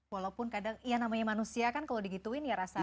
walaupun kadang ya namanya manusia kan kalau digituin ya rasanya